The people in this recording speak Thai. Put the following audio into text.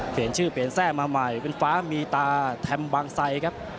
เปลี่ยนชื่อเปลี่ยนแทร่มาใหม่เป็นฟ้ามีตาแถมบางไซครับ